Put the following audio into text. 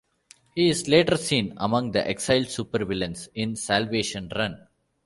He is later seen among the exiled supervillains in "Salvation Run".